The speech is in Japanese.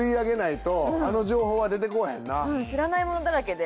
知らないものだらけで。